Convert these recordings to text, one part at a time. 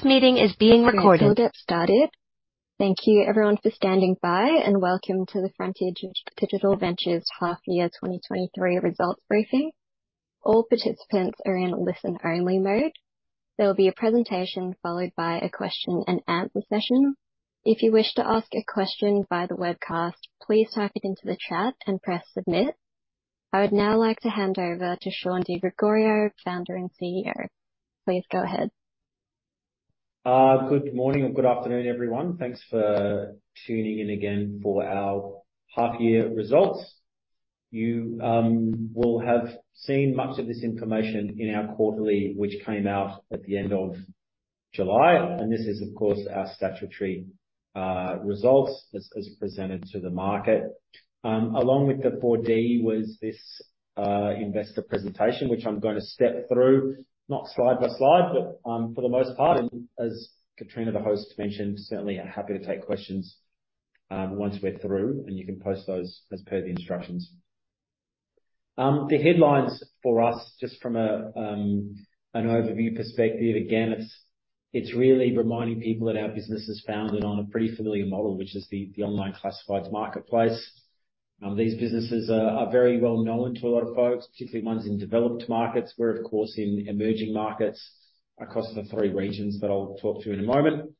This meeting is being recorded. We'll get started. Thank you everyone for standing by, and welcome to the Frontier Digital Ventures Half Year 2023 Results Briefing. All participants are in listen-only mode. There will be a presentation, followed by a question and answer session. If you wish to ask a question via the webcast, please type it into the chat and press Submit. I would now like to hand over to Shaun Di Gregorio, Founder and CEO. Please go ahead. Good morning or good afternoon, everyone. Thanks for tuning in again for our half year results. You will have seen much of this information in our quarterly, which came out at the end of July, and this is, of course, our statutory results as presented to the market. Along with the FDV was this investor presentation, which I'm going to step through, not slide by slide, but for the most part. As Katrina, the host, mentioned, certainly happy to take questions once we're through, and you can post those as per the instructions. The headlines for us, just from an overview perspective, again, it's really reminding people that our business is founded on a pretty familiar model, which is the online classifieds marketplace. These businesses are very well known to a lot of folks, particularly ones in developed markets. We're, of course, in emerging markets across the three regions that I'll talk to in a moment.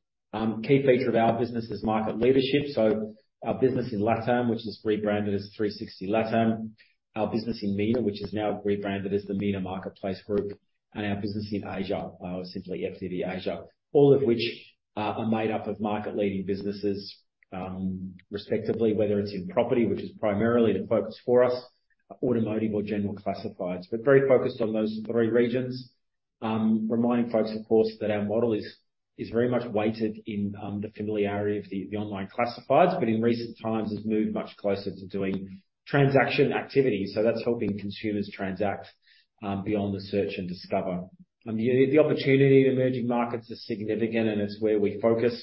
Key feature of our business is market leadership. So our business in Latam, which is rebranded as 360 Latam. Our business in MENA, which is now rebranded as the MENA Marketplaces Group, and our business in Asia, simply FDV Asia. All of which are made up of market-leading businesses, respectively, whether it's in property, which is primarily the focus for us, automotive or general classifieds. But very focused on those three regions. Reminding folks, of course, that our model is very much weighted in the familiarity of the online classifieds, but in recent times has moved much closer to doing transaction activity, so that's helping consumers transact beyond the search and discover. The opportunity in emerging markets is significant, and it's where we focus.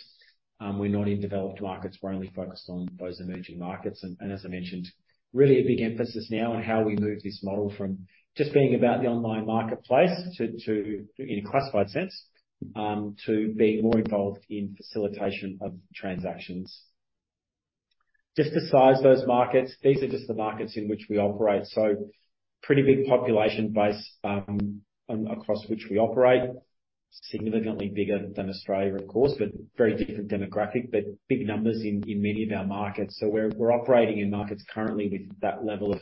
We're not in developed markets, we're only focused on those emerging markets. As I mentioned, really a big emphasis now on how we move this model from just being about the online marketplace to, in a classified sense, to being more involved in facilitation of transactions. Just to size those markets, these are just the markets in which we operate. So pretty big population base across which we operate. Significantly bigger than Australia, of course, but very different demographic, but big numbers in many of our markets. So we're operating in markets currently with that level of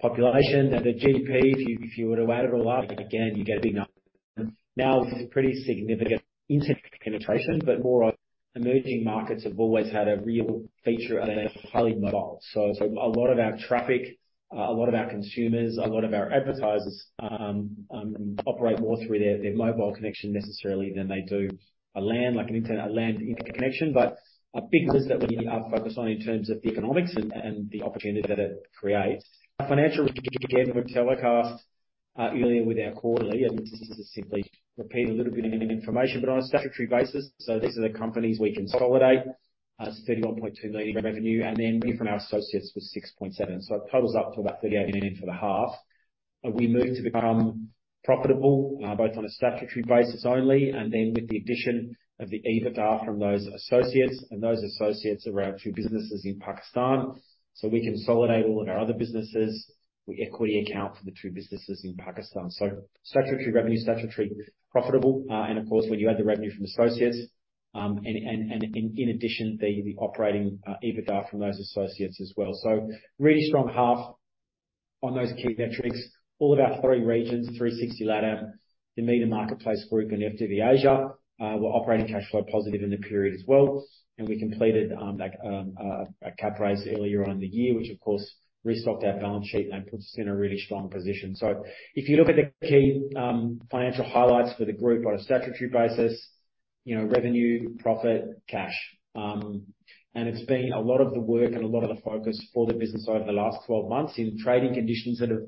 population and the GDP. If you were to add it all up, again, you get a big number. Now, this is pretty significant internet penetration, but more of emerging markets have always had a real feature, and they're highly mobile. So a lot of our traffic, a lot of our consumers, a lot of our advertisers operate more through their mobile connection necessarily than they do a LAN, like a LAN internet connection. But a big business that we are focused on in terms of the economics and the opportunity that it creates. Our financial review, again, we telecast earlier with our quarterly, and this is just simply repeating a little bit of information, but on a statutory basis. So these are the companies we consolidate. It's 31.2 million in revenue, and then from our associates was 6.7. So it totals up to about 38 million for the half. We moved to become profitable, both on a statutory basis only, and then with the addition of the EBITDA from those associates, and those associates are our two businesses in Pakistan. So we consolidate all of our other businesses. We equity account for the two businesses in Pakistan. So statutory revenue, statutory profitable, and of course, when you add the revenue from associates, and in addition, the operating EBITDA from those associates as well. So really strong half on those key metrics. All of our three regions, 360 Latam, the MENA Marketplaces Group and FDV Asia, were operating cash flow positive in the period as well. And we completed, like, a cap raise earlier on in the year, which of course restocked our balance sheet and puts us in a really strong position. So if you look at the key, financial highlights for the group on a statutory basis, you know, revenue, profit, cash. And it's been a lot of the work and a lot of the focus for the business over the last 12 months in trading conditions that have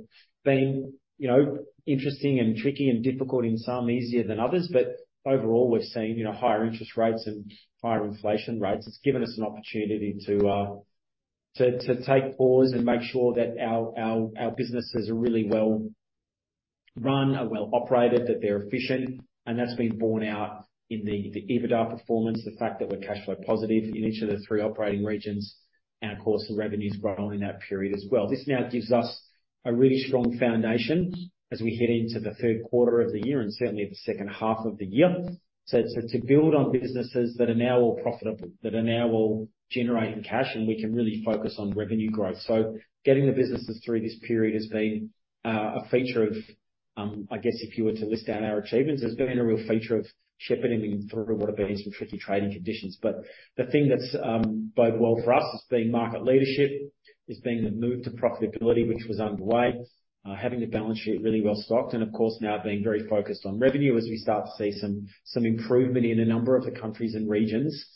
been, you know, interesting and tricky and difficult in some, easier than others. But overall, we've seen, you know, higher interest rates and higher inflation rates. It's given us an opportunity to take pause and make sure that our businesses are really well run, are well operated, that they're efficient. That's been borne out in the EBITDA performance, the fact that we're cash flow positive in each of the three operating regions, and of course, the revenue's grown in that period as well. This now gives us a really strong foundation as we head into the third quarter of the year, and certainly the second half of the year. So to build on businesses that are now all profitable, that are now all generating cash, and we can really focus on revenue growth. So getting the businesses through this period has been a feature of, I guess if you were to list out our achievements, it's been a real feature of shepherding them through what have been some tricky trading conditions. But the thing that's boded well for us has been market leadership, it's been the move to profitability which was underway, having the balance sheet really well stocked, and of course, now being very focused on revenue as we start to see some improvement in a number of the countries and regions,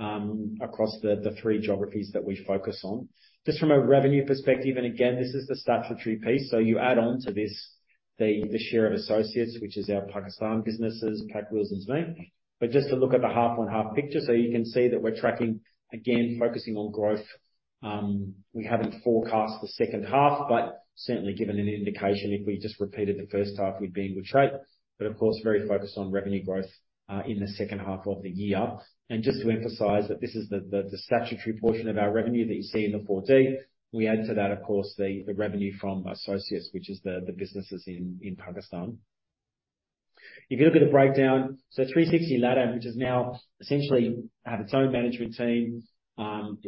across the three geographies that we focus on. Just from a revenue perspective, and again, this is the statutory piece, so you add on to this the share of associates, which is our Pakistan businesses, PakWheels and Zameen. But just to look at the half-on-half picture, so you can see that we're tracking, again, focusing on growth. We haven't forecast the second half, but certainly given an indication, if we just repeated the first half, we'd be in good shape. But of course, very focused on revenue growth in the second half of the year. And just to emphasize that this is the statutory portion of our revenue that you see in the FDV. We add to that, of course, the revenue from associates, which is the businesses in Pakistan. If you look at the breakdown, so 360 Latam, which is now essentially have its own management team,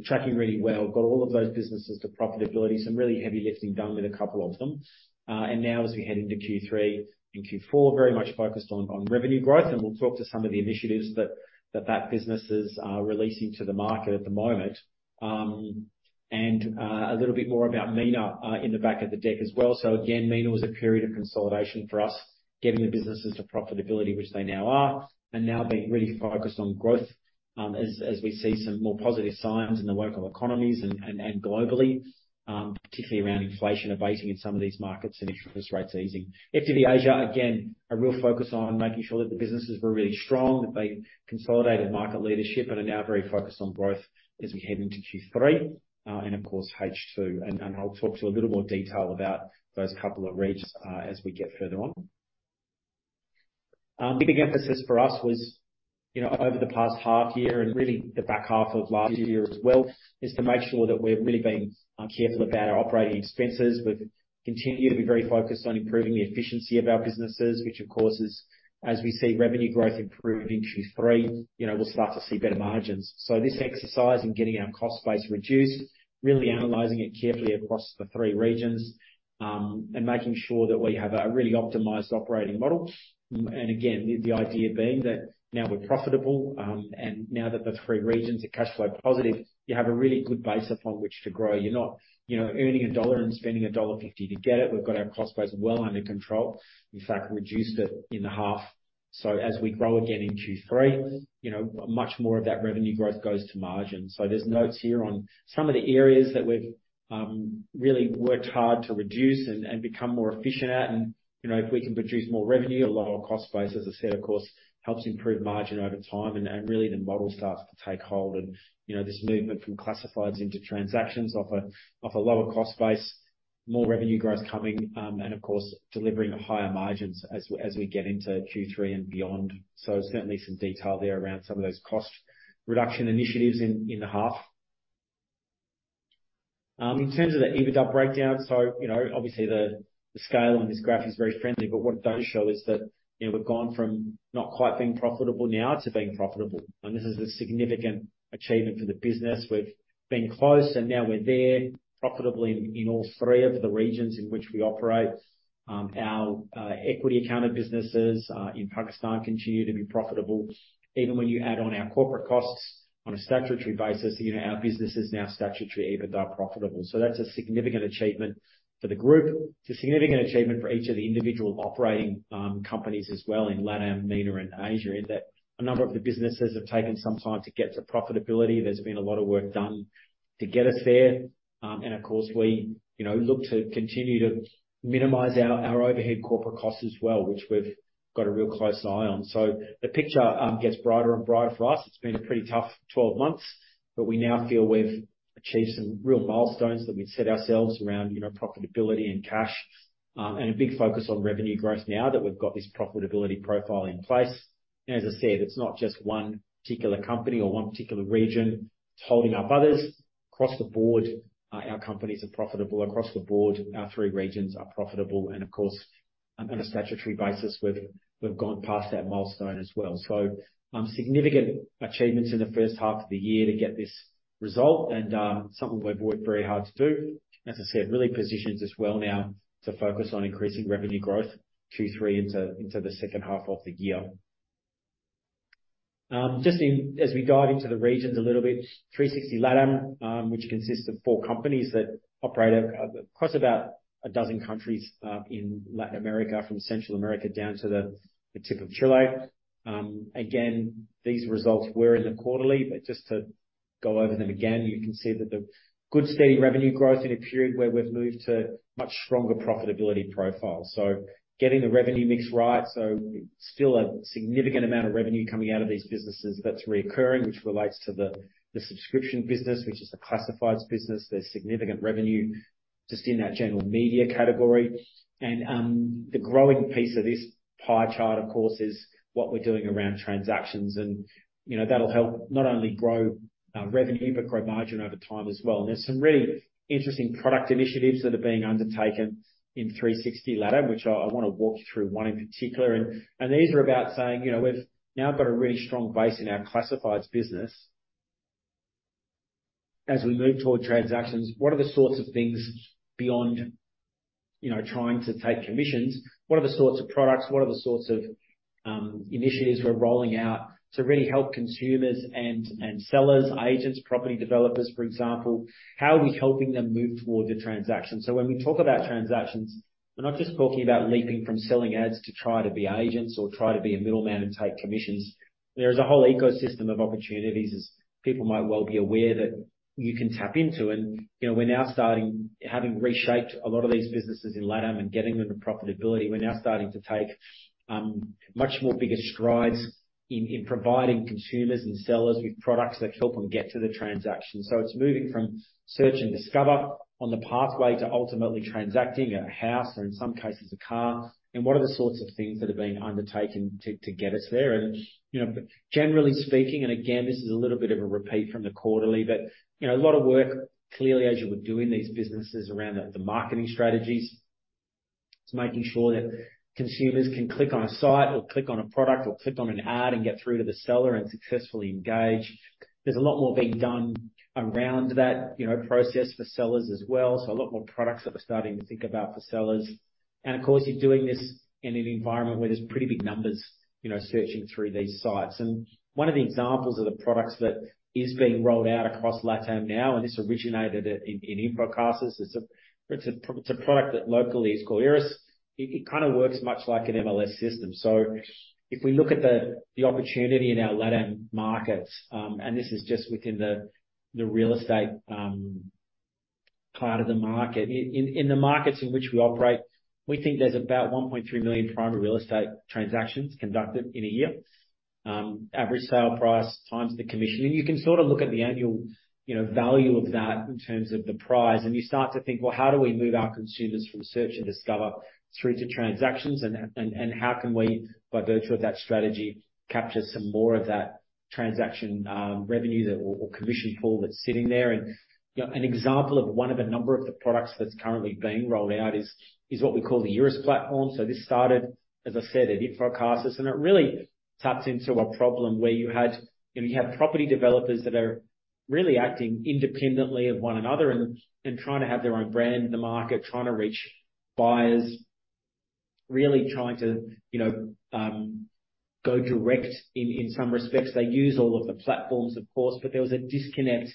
tracking really well, got all of those businesses to profitability. Some really heavy lifting done with a couple of them. And now as we head into Q3 and Q4, very much focused on revenue growth, and we'll talk to some of the initiatives that that business is releasing to the market at the moment. And a little bit more about MENA in the back of the deck as well. So again, MENA was a period of consolidation for us, getting the businesses to profitability, which they now are, and now being really focused on growth as we see some more positive signs in the local economies and globally, particularly around inflation abating in some of these markets and interest rates easing. FDV Asia, again, a real focus on making sure that the businesses were really strong. They consolidated market leadership and are now very focused on growth as we head into Q3 and of course, H2. I'll talk to you in a little more detail about those couple of regions as we get further on. Big emphasis for us was, you know, over the past half year and really the back half of last year as well, is to make sure that we've really been careful about our operating expenses. We've continued to be very focused on improving the efficiency of our businesses, which of course is, as we see revenue growth improve in Q3, you know, we'll start to see better margins. So this exercise in getting our cost base reduced, really analyzing it carefully across the three regions, and making sure that we have a really optimized operating model. Again, the idea being that now we're profitable, and now that the three regions are cash flow positive, you have a really good base upon which to grow. You're not, you know, earning AUD 1 and spending dollar 1.50 to get it. We've got our cost base well under control. In fact, reduced it in the half. So as we grow again in Q3, you know, much more of that revenue growth goes to margin. So there's notes here on some of the areas that we've really worked hard to reduce and become more efficient at. You know, if we can produce more revenue, a lower cost base, as I said, of course, helps improve margin over time, and really, the model starts to take hold. You know, this movement from classifieds into transactions off a lower cost base, more revenue growth coming, and of course, delivering higher margins as we get into Q3 and beyond. So certainly some detail there around some of those cost reduction initiatives in the half. In terms of the EBITDA breakdown, so, you know, obviously the scale on this graph is very friendly, but what it does show is that, you know, we've gone from not quite being profitable now to being profitable. And this is a significant achievement for the business. We've been close, and now we're there, profitably in all three of the regions in which we operate. Our equity accounted businesses in Pakistan continue to be profitable, even when you add on our corporate costs on a statutory basis, you know, our business is now statutory EBITDA profitable. So that's a significant achievement for the group. It's a significant achievement for each of the individual operating companies as well, in LATAM, MENA and Asia, in that a number of the businesses have taken some time to get to profitability. There's been a lot of work done to get us there. And of course we, you know, look to continue to minimize our overhead corporate costs as well, which we've got a real close eye on. So the picture gets brighter and brighter for us. It's been a pretty tough 12 months, but we now feel we've achieved some real milestones that we've set ourselves around, you know, profitability and cash. A big focus on revenue growth now that we've got this profitability profile in place. As I said, it's not just one particular company or one particular region holding up others. Across the board, our companies are profitable. Across the board, our three regions are profitable, and of course, on a statutory basis, we've gone past that milestone as well. So, significant achievements in the first half of the year to get this result and, something we've worked very hard to do. As I said, really positions us well now to focus on increasing revenue growth, Q3 into the second half of the year. Just in, as we dive into the regions a little bit, 360 Latam, which consists of four companies that operate across about a dozen countries, in Latin America, from Central America down to the tip of Chile. Again, these results were in the quarterly, but just to go over them again, you can see that the good, steady revenue growth in a period where we've moved to much stronger profitability profile. So getting the revenue mix right, so still a significant amount of revenue coming out of these businesses that's recurring, which relates to the subscription business, which is the classifieds business. There's significant revenue just in that general media category. The growing piece of this pie chart, of course, is what we're doing around transactions. You know, that'll help not only grow revenue, but grow margin over time as well. There's some really interesting product initiatives that are being undertaken in 360 Latam, which I wanna walk you through one in particular. And these are about saying, you know, we've now got a really strong base in our classifieds business. As we move toward transactions, what are the sorts of things beyond, you know, trying to take commissions? What are the sorts of products, what are the sorts of initiatives we're rolling out to really help consumers and sellers, agents, property developers, for example? How are we helping them move toward the transaction? So when we talk about transactions, we're not just talking about leaping from selling ads to try to be agents or try to be a middleman and take commissions. There is a whole ecosystem of opportunities, as people might well be aware, that you can tap into. And you know, we're now starting, having reshaped a lot of these businesses in Latam and getting them to profitability, we're now starting to take much more bigger strides in providing consumers and sellers with products that help them get to the transaction. So it's moving from search and discover on the pathway to ultimately transacting a house, or in some cases a car. And what are the sorts of things that are being undertaken to get us there? And, you know, generally speaking, and again, this is a little bit of a repeat from the quarterly, but you know, a lot of work, clearly, as you would do in these businesses around the marketing strategies. It's making sure that consumers can click on a site, or click on a product, or click on an ad and get through to the seller and successfully engage. There's a lot more being done around that, you know, process for sellers as well. So a lot more products that we're starting to think about for sellers. And of course, you're doing this in an environment where there's pretty big numbers, you know, searching through these sites. And one of the examples of the products that is being rolled out across LatAm now, and this originated in InfoCasas. It's a product that locally is called IRIS. It kind of works much like an MLS system. So if we look at the opportunity in our LatAm markets, and this is just within the real estate part of the market. In the markets in which we operate, we think there's about 1.3 million primary real estate transactions conducted in a year. Average sale price times the commission. And you can sort of look at the annual, you know, value of that in terms of the price, and you start to think, well, how do we move our consumers from search and discover through to transactions? And how can we, by virtue of that strategy, capture some more of that transaction revenue that or commission pool that's sitting there? And, you know, an example of one of a number of the products that's currently being rolled out is what we call the IRIS platform. So this started, as I said, at InfoCasas, and it really taps into a problem where you had. You know, you have property developers that are really acting independently of one another and trying to have their own brand in the market, trying to reach buyers. Really trying to, you know, go direct in some respects. They use all of the platforms, of course, but there was a disconnect,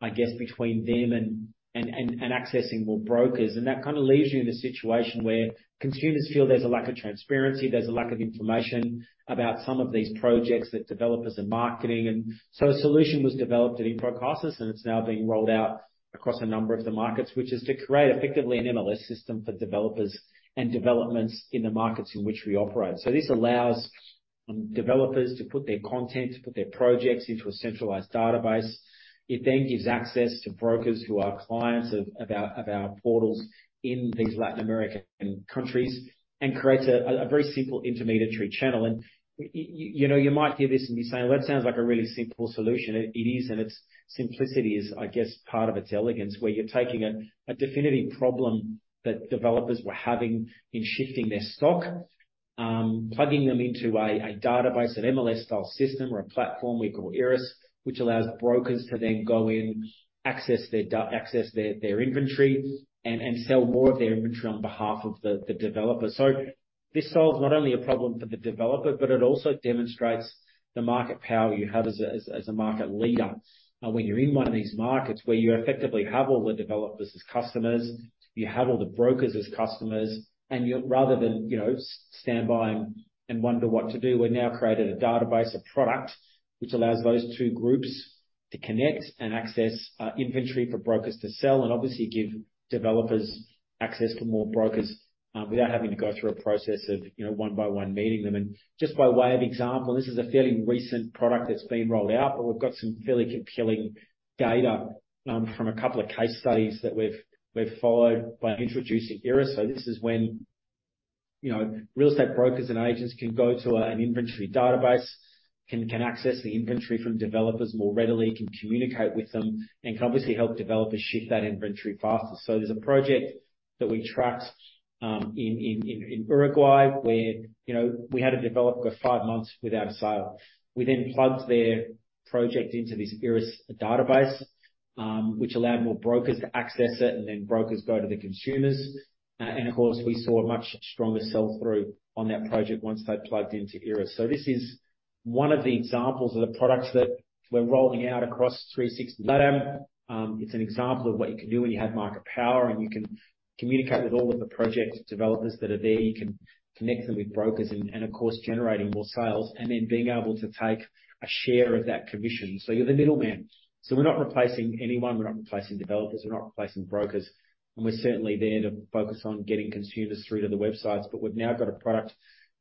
I guess, between them and accessing more brokers. And that kind of leaves you in a situation where consumers feel there's a lack of transparency, there's a lack of information about some of these projects that developers are marketing. A solution was developed at InfoCasas, and it's now being rolled out across a number of the markets, which is to create effectively an MLS system for developers and developments in the markets in which we operate. So this allows, developers to put their content, to put their projects into a centralized database. It then gives access to brokers who are clients of, of our, of our portals in these Latin American countries and creates a, a very simple intermediary channel. You know, you might hear this and be saying, "Well, that sounds like a really simple solution." It is, and its simplicity is, I guess, part of its elegance, where you're taking a definitive problem that developers were having in shifting their stock, plugging them into a database, an MLS-style system or a platform we call IRIS, which allows brokers to then go in, access their inventory and sell more of their inventory on behalf of the developer. So this solves not only a problem for the developer, but it also demonstrates the market power you have as a market leader. When you're in one of these markets where you effectively have all the developers as customers, you have all the brokers as customers, and you, rather than, you know, stand by and wonder what to do, we've now created a database, a product, which allows those two groups to connect and access inventory for brokers to sell, and obviously give developers access to more brokers without having to go through a process of, you know, one by one meeting them. And just by way of example, this is a fairly recent product that's been rolled out, but we've got some fairly compelling data from a couple of case studies that we've followed by introducing IRIS. So this is when, you know, real estate brokers and agents can go to an inventory database, can access the inventory from developers more readily, can communicate with them, and can obviously help developers shift that inventory faster. So there's a project that we tracked in Uruguay, where, you know, we had a developer go five months without a sale. We then plugged their project into this IRIS database, which allowed more brokers to access it, and then brokers go to the consumers. And of course, we saw a much stronger sell-through on that project once they plugged into IRIS. So this is one of the examples of the products that we're rolling out across 360 Latam. It's an example of what you can do when you have market power, and you can communicate with all of the project developers that are there. You can connect them with brokers and, and of course, generating more sales, and then being able to take a share of that commission. So you're the middleman. So we're not replacing anyone. We're not replacing developers, we're not replacing brokers, and we're certainly there to focus on getting consumers through to the websites. But we've now got a product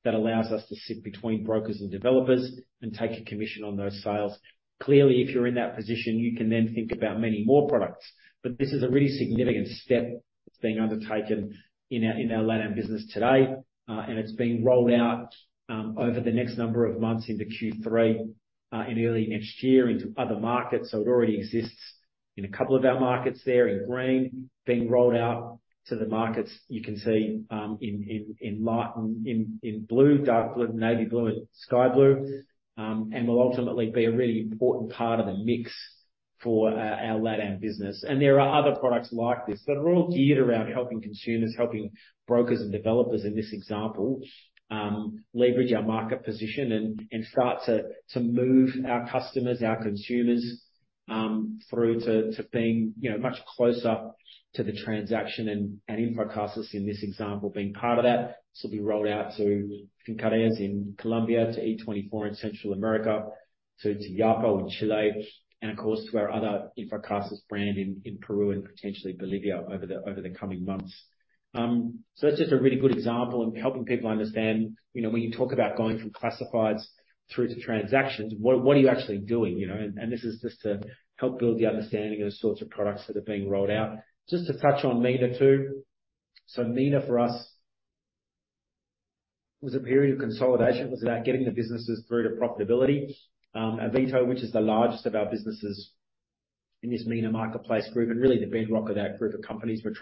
that allows us to sit between brokers and developers and take a commission on those sales. Clearly, if you're in that position, you can then think about many more products. But this is a really significant step that's being undertaken in our LatAm business today. And it's being rolled out over the next number of months into Q3 and early next year into other markets. So it already exists in a couple of our markets there in green, being rolled out to the markets you can see in light blue, dark blue, navy blue, and sky blue. And will ultimately be a really important part of the mix for our LatAm business. And there are other products like this that are all geared around helping consumers, helping brokers and developers in this example, leverage our market position and start to move our customers, our consumers, through to being, you know, much closer to the transaction. InfoCasas, in this example, being part of that, this will be rolled out to Fincaraíz in Colombia, to Encuentra24 in Central America, to Yapo in Chile, and of course, to our other InfoCasas brand in Peru and potentially Bolivia over the coming months. So that's just a really good example in helping people understand, you know, when you talk about going from classifieds through to transactions, what are you actually doing? You know, and this is just to help build the understanding of the sorts of products that are being rolled out. Just to touch on MENA, too. So MENA, for us, was a period of consolidation. It was about getting the businesses through to profitability. Avito, which is the largest of our businesses in this MENA Marketplaces Group, and really the bedrock of that group of companies we're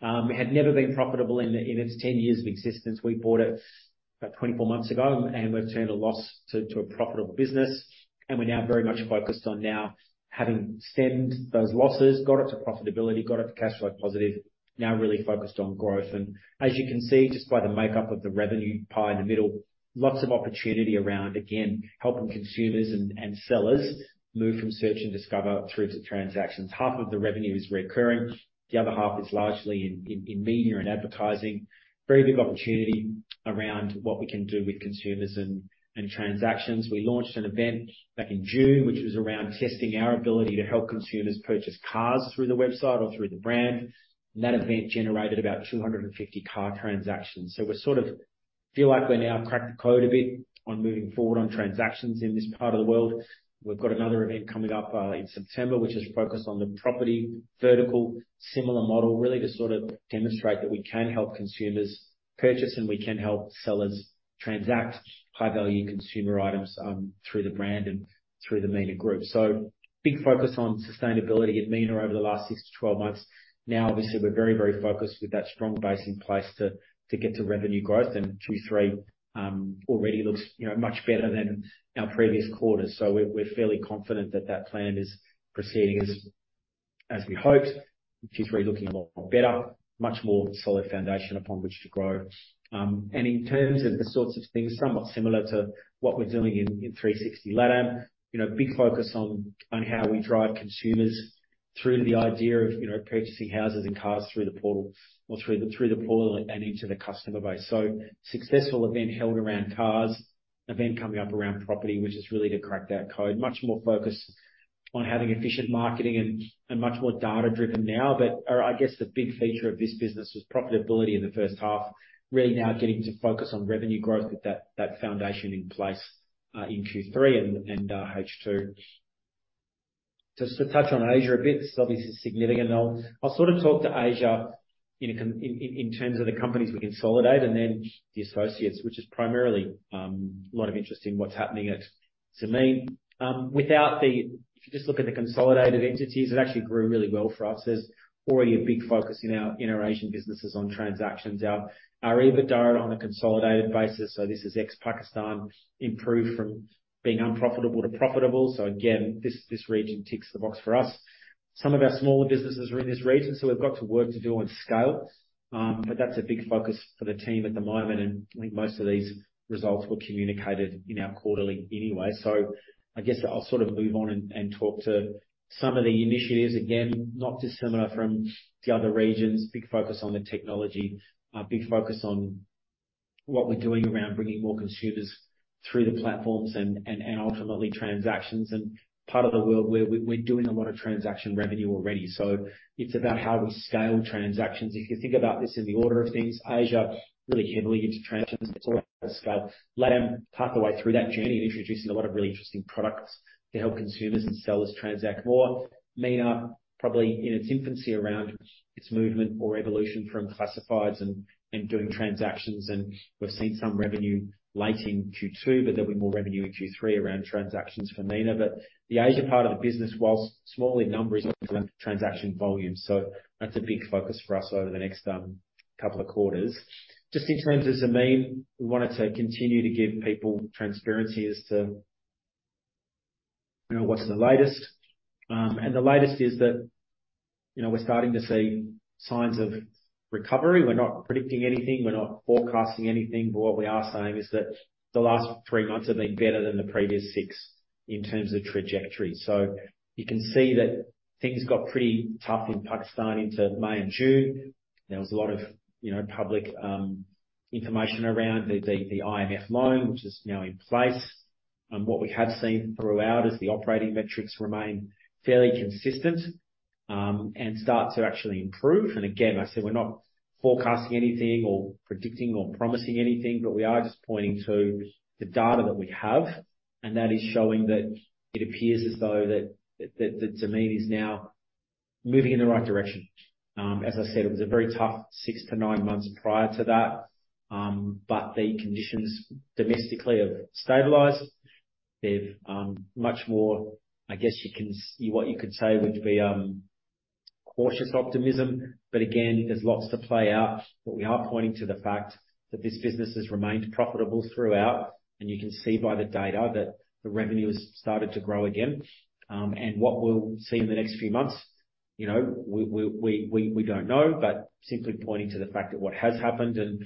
trying to develop, had never been profitable in its 10 years of existence. We bought it about 24 months ago, and we've turned a loss to a profitable business. And we're now very much focused on now having stemmed those losses, got it to profitability, got it to cash flow positive, now really focused on growth. And as you can see, just by the makeup of the revenue pie in the middle, lots of opportunity around, again, helping consumers and sellers move from search and discover through to transactions. Half of the revenue is recurring, the other half is largely in media and advertising. Very big opportunity around what we can do with consumers and transactions. We launched an event back in June, which was around testing our ability to help consumers purchase cars through the website or through the brand. That event generated about 250 car transactions. So we're sort of feel like we've now cracked the code a bit on moving forward on transactions in this part of the world. We've got another event coming up in September, which is focused on the property vertical. Similar model, really to sort of demonstrate that we can help consumers purchase, and we can help sellers transact high-value consumer items through the brand and through the MENA group. Big focus on sustainability at MENA over the last 6-12 months. Now, obviously, we're very, very focused with that strong base in place to get to revenue growth. And Q3 already looks, you know, much better than our previous quarters, so we're, we're fairly confident that that plan is proceeding as, as we hoped. Q3 looking a lot better, much more solid foundation upon which to grow. And in terms of the sorts of things, somewhat similar to what we're doing in, in 360 Latam. You know, big focus on, on how we drive consumers through the idea of, you know, purchasing houses and cars through the portal or through the, through the portal and into the customer base. So successful event held around cars. Event coming up around property, which is really to crack that code. Much more focused on having efficient marketing, and, and much more data-driven now. But, I guess the big feature of this business was profitability in the first half. Really now getting to focus on revenue growth with that, that foundation in place, in Q3 and, and, H2. Just to touch on Asia a bit, this obviously is significant, and I'll, I'll sort of talk to Asia in terms of the companies we consolidate and then the associates, which is primarily, a lot of interest in what's happening at Zameen. Without the-- If you just look at the consolidated entities, it actually grew really well for us. There's already a big focus in our Asian businesses on transactions. Our EBITDA on a consolidated basis, so this is ex Pakistan, improved from being unprofitable to profitable. So again, this region ticks the box for us. Some of our smaller businesses are in this region, so we've got to work to do on scale. But that's a big focus for the team at the moment, and I think most of these results were communicated in our quarterly anyway. So I guess I'll sort of move on and talk to some of the initiatives. Again, not dissimilar from the other regions. Big focus on the technology. A big focus on what we're doing around bringing more consumers through the platforms and ultimately, transactions. And part of the world where we're doing a lot of transaction revenue already, so it's about how we scale transactions. If you think about this in the order of things, Asia, really heavily into transactions. It's all about scale. Latam, half the way through that journey and introducing a lot of really interesting products to help consumers and sellers transact more. MENA, probably in its infancy around its movement or evolution from classifieds and, and doing transactions, and we've seen some revenue late in Q2, but there'll be more revenue in Q3 around transactions for MENA. But the Asia part of the business, while small in numbers, transaction volume, so that's a big focus for us over the next, couple of quarters. Just in terms of Zameen, we wanted to continue to give people transparency as to, you know, what's the latest. And the latest is that, you know, we're starting to see signs of recovery. We're not predicting anything. We're not forecasting anything. But what we are saying is that the last three months have been better than the previous six in terms of trajectory. So you can see that things got pretty tough in Pakistan into May and June. There was a lot of, you know, public information around the IMF loan, which is now in place. And what we have seen throughout is the operating metrics remain fairly consistent, and start to actually improve. And again, I say we're not forecasting anything, or predicting, or promising anything, but we are just pointing to the data that we have, and that is showing that it appears as though that Zameen is now moving in the right direction. As I said, it was a very tough 6-9 months prior to that, but the conditions domestically have stabilized. They've much more, I guess you can say what you could say would be cautious optimism, but again, there's lots to play out. But we are pointing to the fact that this business has remained profitable throughout, and you can see by the data that the revenue has started to grow again. And what we'll see in the next few months, you know, we don't know, but simply pointing to the fact that what has happened and,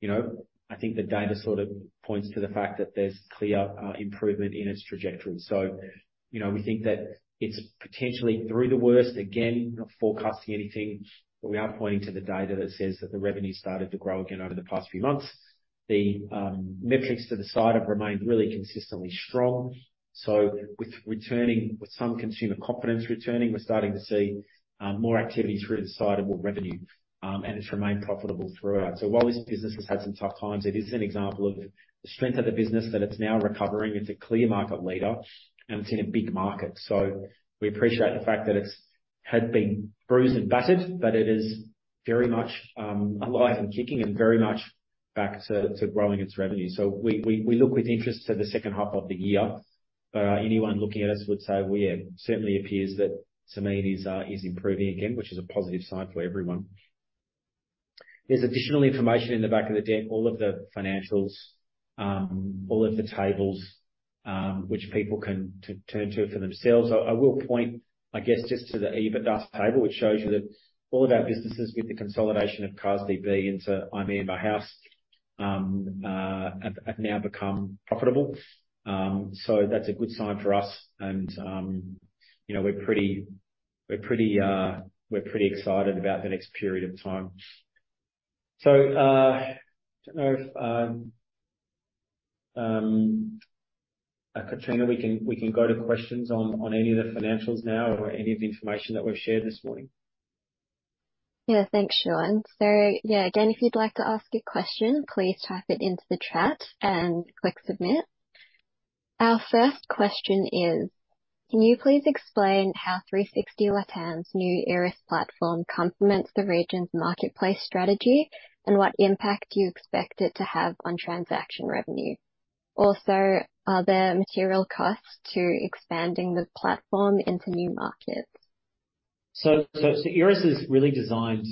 you know, I think the data sort of points to the fact that there's clear improvement in its trajectory. So, you know, we think that it's potentially through the worst. Again, not forecasting anything, but we are pointing to the data that says that the revenue started to grow again over the past few months. The metrics to the side have remained really consistently strong. So with returning with some consumer confidence returning, we're starting to see more activity through the site and more revenue, and it's remained profitable throughout. So while this business has had some tough times, it is an example of the strength of the business, that it's now recovering. It's a clear market leader, and it's in a big market. So we appreciate the fact that it's had been bruised and battered, but it is very much alive and kicking and very much back to growing its revenue. So we look with interest to the second half of the year. But anyone looking at us would say, "Well, yeah, it certainly appears that Zameen is improving again," which is a positive sign for everyone. There's additional information in the back of the deck, all of the financials, all of the tables, which people can turn to for themselves. I will point, I guess, just to the EBITDA table, which shows you that all of our businesses, with the consolidation of CarsDB into iMyanmarHouse, have now become profitable. So that's a good sign for us and, you know, we're pretty excited about the next period of time. So, I don't know if... Katrina, we can go to questions on any of the financials now or any of the information that we've shared this morning. Yeah. Thanks, Shaun. So yeah, again, if you'd like to ask a question, please type it into the chat and click submit. Our first question is: Can you please explain how 360 Latam's new IRIS platform complements the region's marketplace strategy, and what impact do you expect it to have on transaction revenue? Also, are there material costs to expanding the platform into new markets? So IRIS is really designed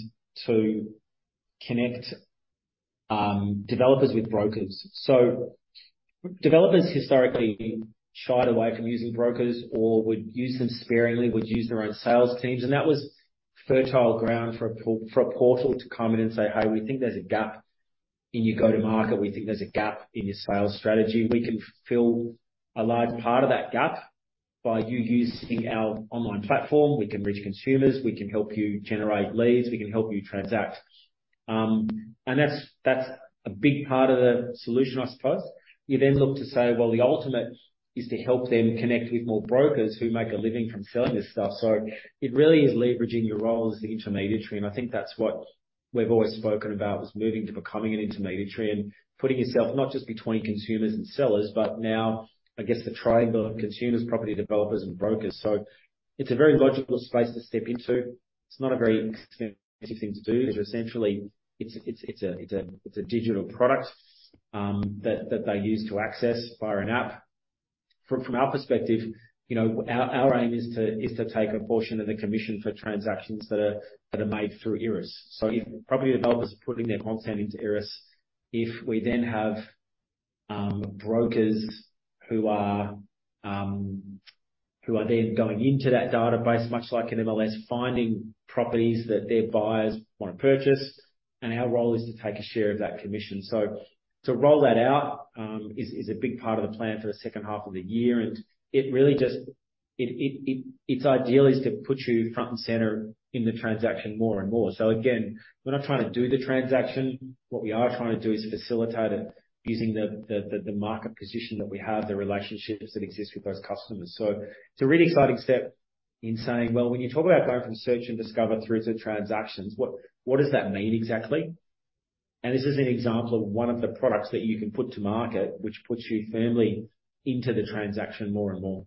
to connect developers with brokers. So developers historically shied away from using brokers or would use them sparingly, would use their own sales teams, and that was fertile ground for a portal to come in and say, "Hey, we think there's a gap in your go-to-market. We think there's a gap in your sales strategy. We can fill a large part of that gap by you using our online platform. We can reach consumers. We can help you generate leads. We can help you transact." And that's a big part of the solution, I suppose. You then look to say, well, the ultimate is to help them connect with more brokers who make a living from selling this stuff. So it really is leveraging your role as the intermediary, and I think that's what we've always spoken about, is moving to becoming an intermediary and putting yourself not just between consumers and sellers, but now, I guess, the triangle of consumers, property developers, and brokers. So it's a very logical space to step into. It's not a very expensive thing to do, because essentially it's a digital product that they use to access via an app. From our perspective, you know, our aim is to take a portion of the commission for transactions that are made through IRIS. So if property developers are putting their content into IRIS, if we then have brokers who are then going into that database, much like an MLS, finding properties that their buyers want to purchase, and our role is to take a share of that commission. So to roll that out is a big part of the plan for the second half of the year, and it really just. It's ideal is to put you front center in the transaction more and more. So again, we're not trying to do the transaction. What we are trying to do is facilitate it using the market position that we have, the relationships that exist with those customers. So it's a really exciting step in saying, well, when you talk about going from search and discover through to transactions, what, what does that mean exactly? And this is an example of one of the products that you can put to market, which puts you firmly into the transaction more and more.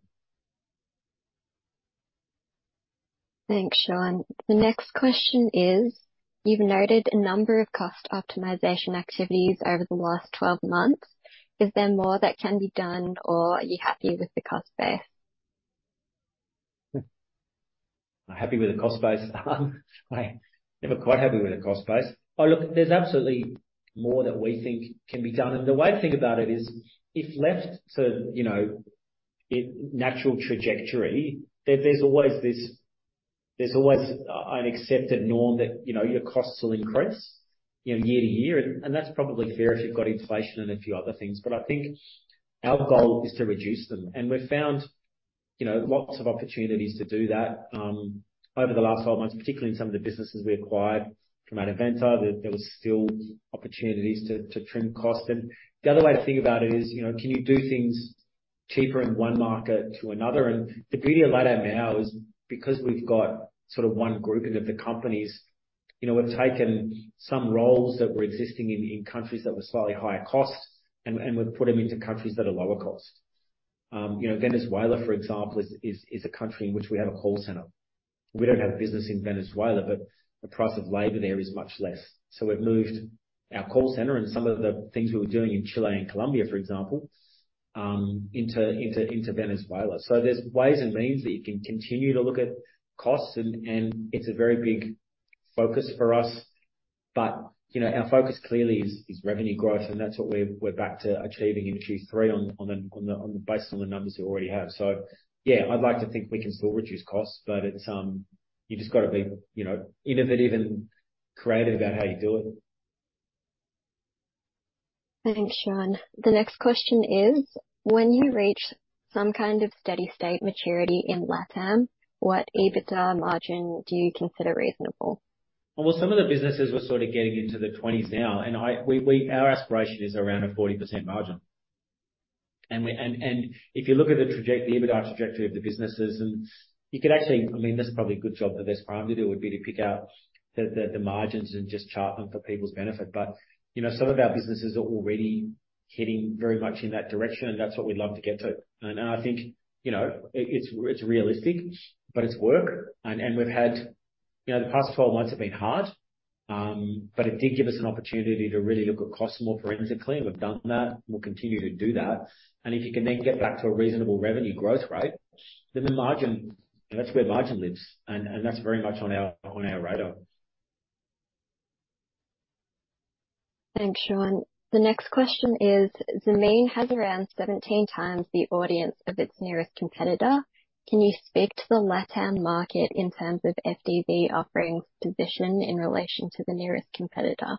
Thanks, Shaun. The next question is: You've noted a number of cost optimization activities over the last 12 months. Is there more that can be done, or are you happy with the cost base? Happy with the cost base? We're never quite happy with the cost base. Oh, look, there's absolutely more that we think can be done, and the way to think about it is, if left to, you know, natural trajectory, there's always an accepted norm that, you know, your costs will increase, you know, year to year, and that's probably fair if you've got inflation and a few other things. But I think our goal is to reduce them. And we've found, you know, lots of opportunities to do that, over the last 12 months, particularly in some of the businesses we acquired from Adevinta, that there was still opportunities to trim costs. And the other way to think about it is, you know, can you do things cheaper in one market to another? The beauty of LATAM now is because we've got sort of one grouping of the companies, you know, we've taken some roles that were existing in countries that were slightly higher cost, and we've put them into countries that are lower cost. You know, Venezuela, for example, is a country in which we have a call center. We don't have a business in Venezuela, but the price of labor there is much less. So we've moved our call center and some of the things we were doing in Chile and Colombia, for example, into Venezuela. So there's ways and means that you can continue to look at costs, and it's a very big focus for us. But, you know, our focus clearly is revenue growth, and that's what we're back to achieving in Q3 on the basis of the numbers we already have. So yeah, I'd like to think we can still reduce costs, but it's. You've just got to be, you know, innovative and creative about how you do it. Thanks, Shaun. The next question is: When you reach some kind of steady state maturity in LATAM, what EBITDA margin do you consider reasonable? Well, some of the businesses were sort of getting into the 20s now, and we, our aspiration is around a 40% margin. And if you look at the EBITDA trajectory of the businesses, and you could actually I mean, this is probably a good job for this firm to do, would be to pick out the margins and just chart them for people's benefit. But, you know, some of our businesses are already heading very much in that direction, and that's what we'd love to get to. And I think, you know, it, it's realistic, but it's work. And we've had... You know, the past 12 months have been hard, but it did give us an opportunity to really look at costs more forensically, and we've done that. We'll continue to do that. If you can then get back to a reasonable revenue growth rate, then the margin, that's where margin lives, and that's very much on our radar. Thanks, Shaun. The next question is, Zameen has around 17 times the audience of its nearest competitor. Can you speak to the LatAm market in terms of FDV offerings position in relation to the nearest competitor?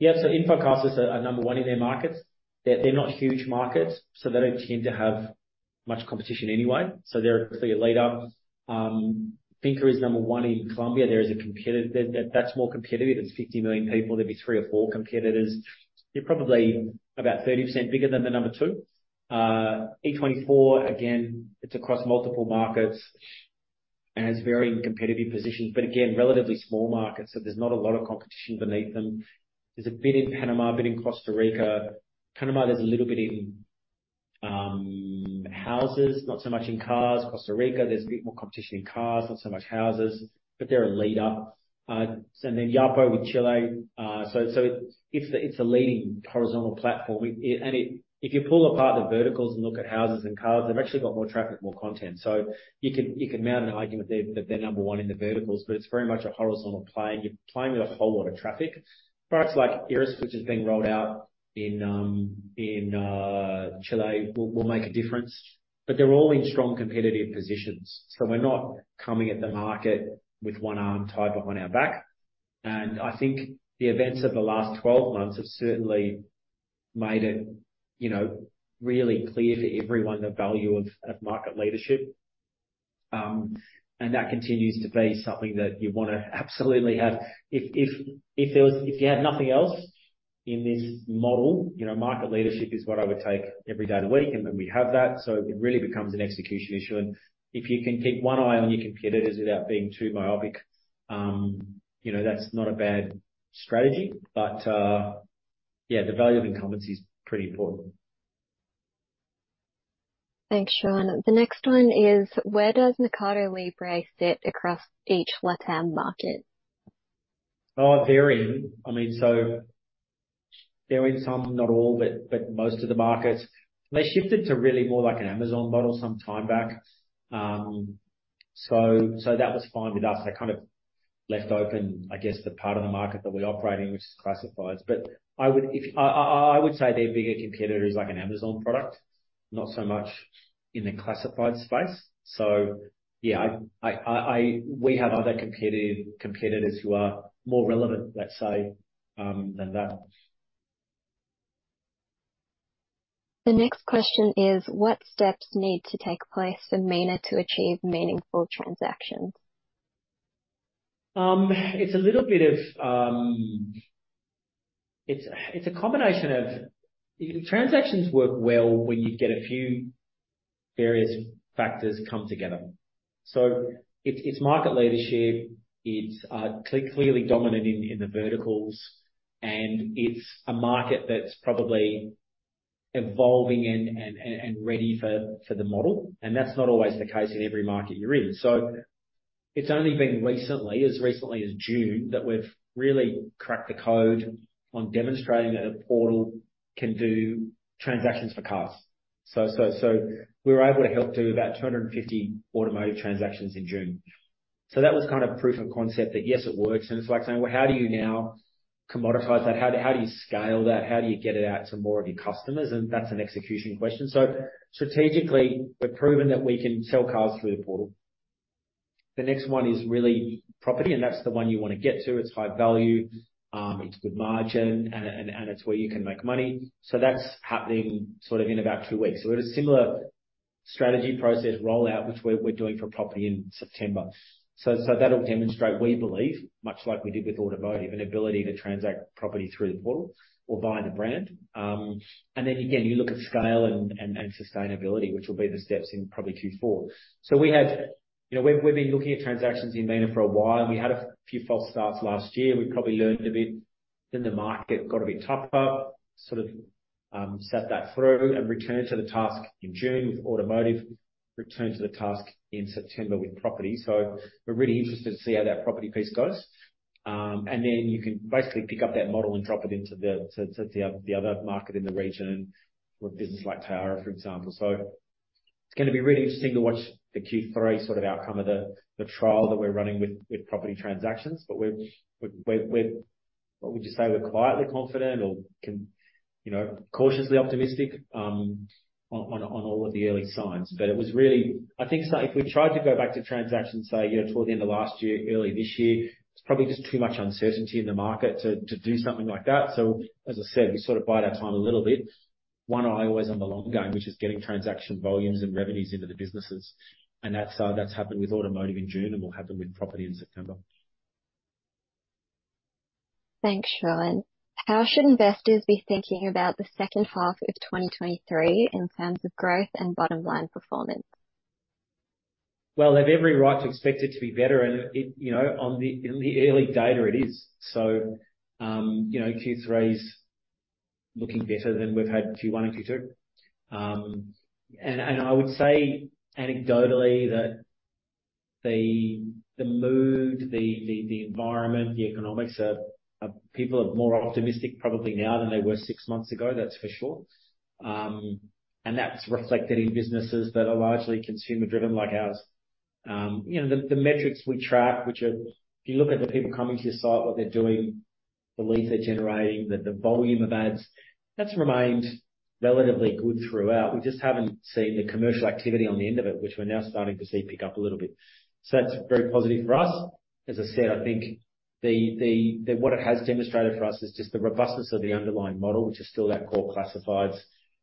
Yeah. So InfoCasas is, are number one in their markets. They're, they're not huge markets, so they don't tend to have much competition anyway. So they're clearly a leader. Fincaraíz is number one in Colombia. There is a competitor-- There, that's more competitive. There's 50 million people. There'd be three or four competitors. You're probably about 30% bigger than the number two. E24, again, it's across multiple markets and has varying competitive positions, but again, relatively small markets, so there's not a lot of competition beneath them. There's a bit in Panama, a bit in Costa Rica. Panama, there's a little bit in houses, not so much in cars. Costa Rica, there's a bit more competition in cars, not so much houses, but they're a leader. So then Yapo with Chile. So, so it's, it's a leading horizontal platform. If you pull apart the verticals and look at houses and cars, they've actually got more traffic, more content. So you could, you could mount an argument there that they're number one in the verticals, but it's very much a horizontal play, and you're playing with a whole lot of traffic. Products like IRIS, which is being rolled out in Chile, will make a difference, but they're all in strong competitive positions. So we're not coming at the market with one arm tied behind our back. And I think the events of the last 12 months have certainly made it, you know, really clear to everyone the value of market leadership. And that continues to be something that you want to absolutely have. If you had nothing else in this model, you know, market leadership is what I would take every day of the week, and we have that, so it really becomes an execution issue. And if you can keep one eye on your competitors without being too myopic, you know, that's not a bad strategy. But, yeah, the value of incumbents is pretty important. Thanks, Shaun. The next one is: Where does Mercado Libre sit across each LatAm market? Oh, varying. I mean, so they're in some, not all, but most of the markets. They shifted to really more like an Amazon model some time back. So that was fine with us. They kind of left open, I guess, the part of the market that we operate in, which is classifieds. But I would say their bigger competitor is like an Amazon product, not so much in the classified space. So yeah, we have other competitors who are more relevant, let's say, than that. The next question is: What steps need to take place for MENA to achieve meaningful transactions? It's a combination of. Transactions work well when you get a few various factors come together. So it's market leadership, it's clearly dominant in the verticals, and it's a market that's probably evolving and ready for the model. And that's not always the case in every market you're in. So it's only been recently, as recently as June, that we've really cracked the code on demonstrating that a portal can do transactions for cars. So we were able to help do about 250 automotive transactions in June. So that was kind of proof of concept that, yes, it works, and it's like saying, "Well, how do you now commoditize that? How do you scale that? How do you get it out to more of your customers?" And that's an execution question. So strategically, we've proven that we can sell cars through the portal. The next one is really property, and that's the one you want to get to. It's high value, it's good margin, and it's where you can make money. So that's happening sort of in about two weeks. So we have a similar strategy process rollout, which we're doing for property in September. So that'll demonstrate, we believe, much like we did with automotive, an ability to transact property through the portal or via the brand. And then again, you look at scale and sustainability, which will be the steps in probably Q4. So we have. You know, we've, we've been looking at transactions in MENA for a while, and we had a few false starts last year. We probably learned a bit, then the market got a bit tougher, sort of, sat that through and returned to the task in June with automotive, returned to the task in September with property. So we're really interested to see how that property piece goes. And then you can basically pick up that model and drop it into the other market in the region with a business like Tayara, for example. So it's going to be really interesting to watch the Q3 sort of outcome of the trial that we're running with property transactions. But we're-- Would you say we're quietly confident or you know, cautiously optimistic on all of the early signs. But it was really I think so. If we tried to go back to transactions, say, you know, toward the end of last year, early this year, it's probably just too much uncertainty in the market to do something like that. So as I said, we sort of bide our time a little bit. One eye always on the long game, which is getting transaction volumes and revenues into the businesses. And that's happened with automotive in June, and will happen with property in September. Thanks, Shaun. How should investors be thinking about the second half of 2023 in terms of growth and bottom line performance? Well, they've every right to expect it to be better, and it you know, on the, in the early data, it is. So, you know, Q3's looking better than we've had Q1 and Q2. And I would say anecdotally that the mood, the environment, the economics are people are more optimistic probably now than they were six months ago. That's for sure. And that's reflected in businesses that are largely consumer driven, like ours. You know, the metrics we track, which are, if you look at the people coming to your site, what they're doing, the leads they're generating, the volume of ads, that's remained relatively good throughout. We just haven't seen the commercial activity on the end of it, which we're now starting to see pick up a little bit. So that's very positive for us. As I said, I think that what it has demonstrated for us is just the robustness of the underlying model, which is still that core classifieds,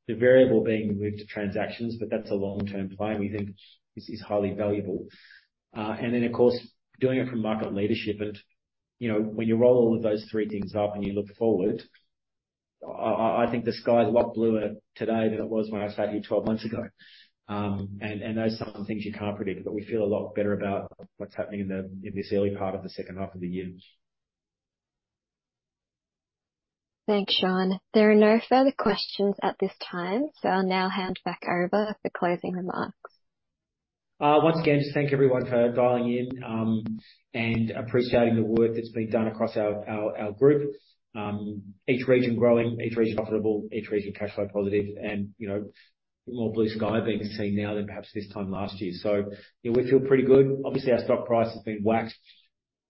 the variable being moved to transactions, but that's a long-term play, and we think this is highly valuable. And then, of course, doing it from market leadership. And, you know, when you roll all of those three things up and you look forward, I think the sky's a lot bluer today than it was when I sat here 12 months ago. And those are some of the things you can't predict, but we feel a lot better about what's happening in this early part of the second half of the year. Thanks, Shaun. There are no further questions at this time, so I'll now hand back over for closing remarks. Once again, just thank everyone for dialing in and appreciating the work that's been done across our group. Each region growing, each region profitable, each region cash flow positive, and, you know, more blue sky being seen now than perhaps this time last year. So, you know, we feel pretty good. Obviously, our stock price has been whacked.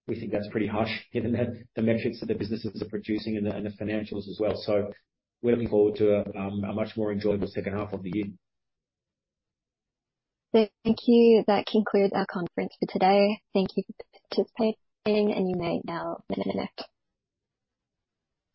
We think that's pretty harsh, given the metrics that the businesses are producing and the financials as well. So we're looking forward to a much more enjoyable second half of the year. Thank you. That concludes our conference for today. Thank you for participating, and you may now disconnect.